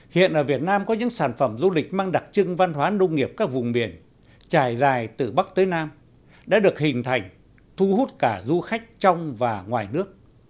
hiện ở việt nam có những sản phẩm du lịch mang đặc trưng văn hóa nông nghiệp các vùng biển trải dài từ bắc tới nam đã được hình thành thu hút cả du khách trong và ngoài nước